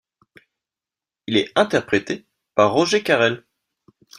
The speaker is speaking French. Il est interprété par Roger Carel.